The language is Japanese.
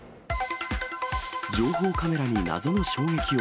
情報カメラに謎の衝撃音。